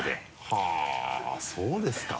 はぁそうですか。